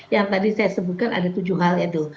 yang tadi saya sebutkan ada tujuh hal yaitu